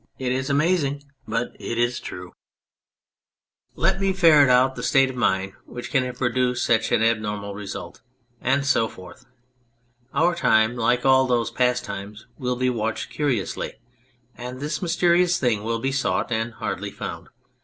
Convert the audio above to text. It is amazing, but it is true 75 On Anything Let me ferret out the state of mind which can have produced such an abnormal result." And so forth. Our time, like all those past times, will be watched curiously, and this mysterious thing will be sought and hardly found.